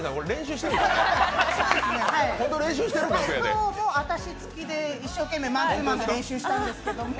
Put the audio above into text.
今日も私つきで一生懸命マンツーマンで練習したんですけど。